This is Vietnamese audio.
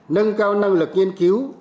nâng cao năng lực nghiên cứu